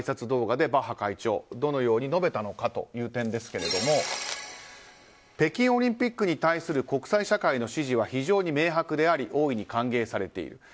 動画でバッハ会長はどのように述べたのかという点ですが北京オリンピックに対する国際社会の支持は非常に明白であり大いに歓迎されている。